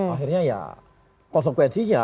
akhirnya ya konsekuensinya